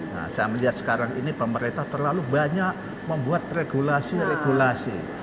nah saya melihat sekarang ini pemerintah terlalu banyak membuat regulasi regulasi